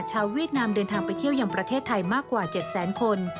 เวียดนามเดินทางไปเที่ยวยังประเทศไทยมากกว่า๗แสนคน